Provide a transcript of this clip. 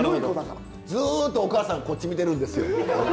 ずっとお母さんこっち見てるんですよ。